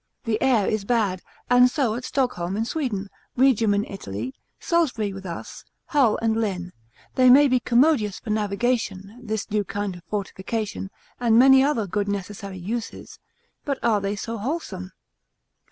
the air is bad; and so at Stockholm in Sweden; Regium in Italy, Salisbury with us, Hull and Lynn: they may be commodious for navigation, this new kind of fortification, and many other good necessary uses; but are they so wholesome?